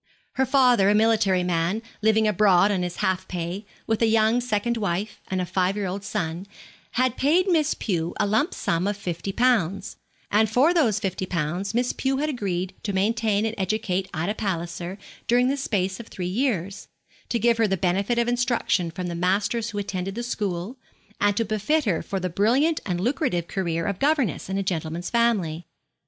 Her father, a military man, living abroad on his half pay, with a young second wife, and a five year old son, had paid Miss Pew a lump sum of fifty pounds, and for those fifty pounds Miss Pew had agreed to maintain and educate Ida Palliser during the space of three years, to give her the benefit of instruction from the masters who attended the school, and to befit her for the brilliant and lucrative career of governess in a gentleman's family.